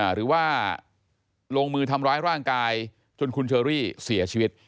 หรือว่าลงมือทำร้ายร่างกายจนคุณเชอรี่เสียชีวิต